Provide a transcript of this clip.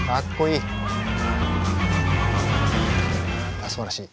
いやすばらしい。